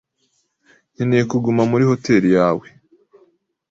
nkeneye kuguma muri hoteri yawe.